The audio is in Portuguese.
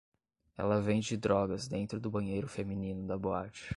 Ela vende drogas dentro do banheiro feminino da boate